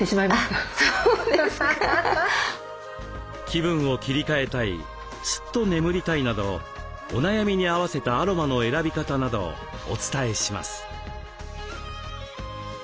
気分を切り替えたいすっと眠りたいなどお悩みに合わせたアロマの選び方などお伝えします。